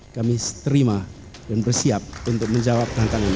kami terima dan bersiap untuk menjawab tantangannya